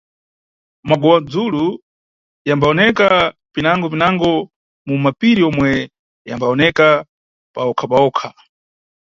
Magowa-dzulu yambawoneka pinango-pinango mu mapiri yomwe yambawoneka payokha-payokha.